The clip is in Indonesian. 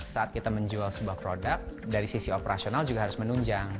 saat kita menjual sebuah produk dari sisi operasional juga harus menunjang